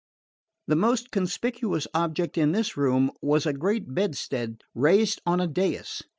The most conspicuous object in this room was a great bedstead raised on a dais.